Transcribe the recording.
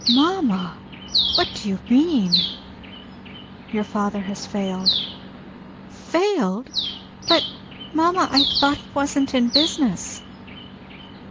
"Mamma! What do you mean?" "Your father has failed." "Failed! But, mamma, I thought he wasn't in business?"